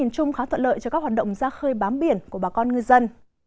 chung khá thuận lợi cho các hoạt động ra khơi bám biển của bà con ngư dân